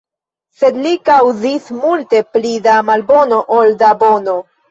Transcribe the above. Sed li kaŭzis multe pli da malbono ol da bono.